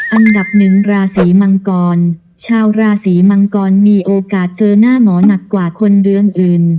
อันดับหนึ่งราศีมังกรชาวราศีมังกรมีโอกาสเจอหน้าหมอหนักกว่าคนเดือนอื่น